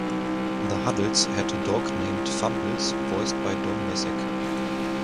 The Huddles had a dog named Fumbles, voiced by Don Messick.